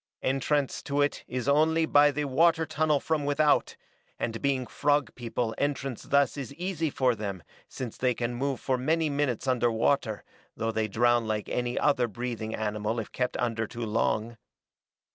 Entrance to it is only by the water tunnel from without, and being frog people entrance thus is easy for them since they can move for many minutes under water, though they drown like any other breathing animal if kept under too long.